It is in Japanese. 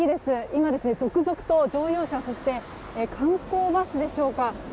今、乗用車そして観光バスでしょうか。